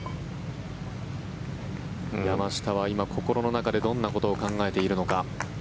山下は今、心の中でどんなことを考えているのか。